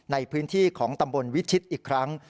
ในพื้นที่ของตำบลวิชิตอีกครั้ง